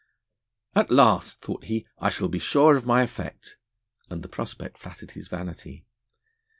At last, thought he, I shall be sure of my effect, and the prospect flattered his vanity.